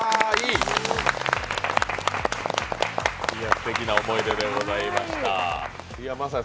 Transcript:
すてきな思い出でございました。